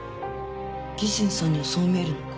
義仙さんにはそう見えるのか？